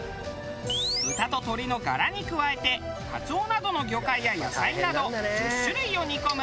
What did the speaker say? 豚と鶏のガラに加えてカツオなどの魚介や野菜など１０種類を煮込む。